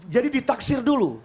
jadi ditaksir dulu